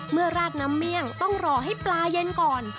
ราดน้ำเมี่ยงต้องรอให้ปลาเย็นก่อน